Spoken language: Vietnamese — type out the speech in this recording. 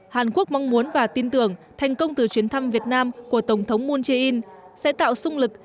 hàn quốc mong muốn và tin tưởng thành công từ chuyến thăm việt nam của tổng thống moon jae in sẽ tạo sung lực